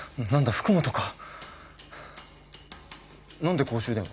福本か何で公衆電話？